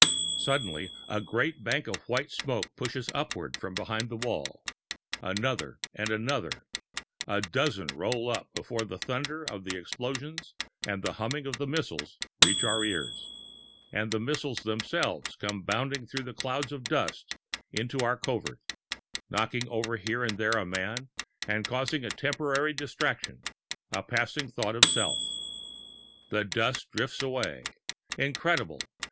Suddenly a great bank of white smoke pushes upward from behind the wall. Another and another a dozen roll up before the thunder of the explosions and the humming of the missiles reach our ears, and the missiles themselves come bounding through clouds of dust into our covert, knocking over here and there a man and causing a temporary distraction, a passing thought of self. The dust drifts away. Incredible!